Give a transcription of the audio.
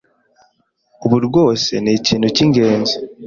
Ubu rwose ni ikintu cy'ingenzi